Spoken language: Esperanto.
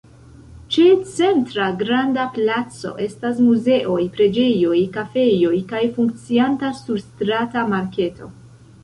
Ĉe centra granda placo estas muzeoj, preĝejoj, kafejoj kaj funkcianta surstrata merkato.